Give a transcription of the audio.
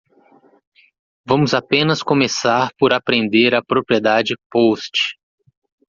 Vamos apenas começar por apreender a propriedade Post.